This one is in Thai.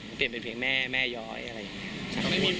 มันเปลี่ยนเป็นเพลงแม่แม่ย้อยอะไรอย่างนี้